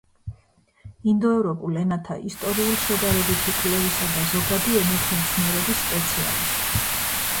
ინდოევროპულ ენათა ისტორიულ-შედარებითი კვლევისა და ზოგადი ენათმეცნიერების სპეციალისტი.